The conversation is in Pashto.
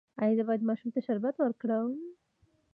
ایا زه باید ماشوم ته شربت ورکړم؟